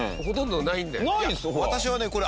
ほとんどないんだよね。